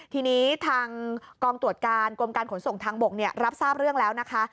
ทีนี้ทางกองตรวจการกรมการขนส่งทางบกรับทราบเรื่องแล้วนะคะ